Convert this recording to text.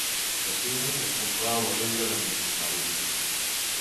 "Monsieur es complau a riure de mi", va dir.